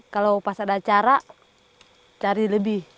kalau pas ada cara cari lebih